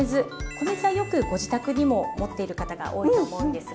米酢はよくご自宅にも持っている方が多いと思うんですが。